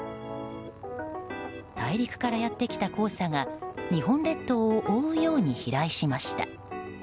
大陸からやってきた黄砂が日本列島を覆うように飛来しました。